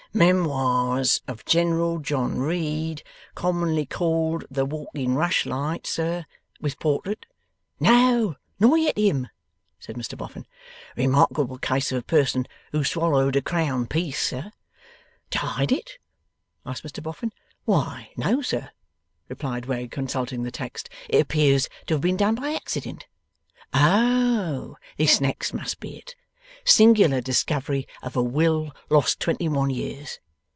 'Memoirs of General John Reid, commonly called The Walking Rushlight, sir? With portrait?' 'No, nor yet him,' said Mr Boffin. 'Remarkable case of a person who swallowed a crown piece, sir?' 'To hide it?' asked Mr Boffin. 'Why, no, sir,' replied Wegg, consulting the text, 'it appears to have been done by accident. Oh! This next must be it. "Singular discovery of a will, lost twenty one years."